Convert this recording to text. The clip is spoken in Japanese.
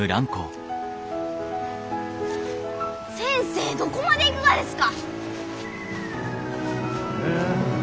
先生どこまで行くがですか？